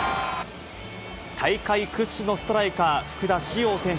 大会屈指のストライカー、福田師王選手。